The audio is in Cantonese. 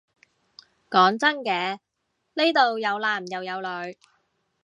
講真嘅，呢度有男又有女